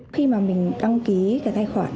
khi mà mình đăng ký cái tài khoản